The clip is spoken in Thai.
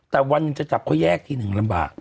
แต่วันหนึ่งจะจับเขาแยกทีหนึ่งลำบาก